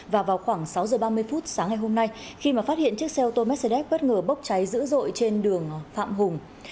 và vào khoảng sáu giờ ba mươi phút sáng ngày hôm nay khi mà phát hiện chiếc xe ô tô mercedes bất ngờ bốc cháy dữ dội trên đường phạm hùng